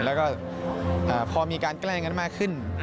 แล้วก็พอมีการแกล้งกันมากขึ้น